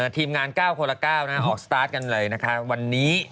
ทีมงาน๙คนละ๙ออกสตาร์ทกันเลยนะคะวันนี้